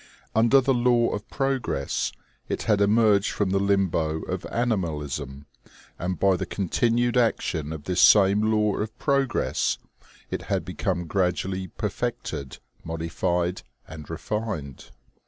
Under the law of progress, it had emerged from the limbo of animalism, and by the contin ued action of this same law of progress it had become grad ually perfected, modified and refined.